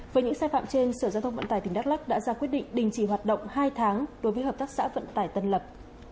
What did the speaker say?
với những sai phạm trên sở giao thông vận tải tỉnh đắk lắc đã ra quyết định đình chỉ hoạt động hai tháng đối với hợp tác xã vận tải tân lập